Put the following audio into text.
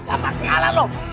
apaan kealah lo